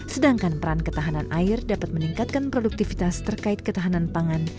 sedangkan peran ketahanan air dapat meningkatkan produktivitas terkait ketahanan pangan